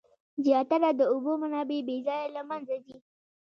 زیاتره د اوبو منابع بې ځایه له منځه ځي.